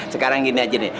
sekarang gini aja nih